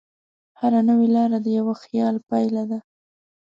هره نوې لار د یوه خیال پایله ده.